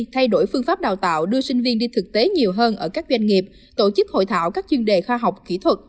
thay đổi phương pháp đào tạo đưa sinh viên đi thực tế nhiều hơn ở các doanh nghiệp tổ chức hội thảo các chuyên đề khoa học kỹ thuật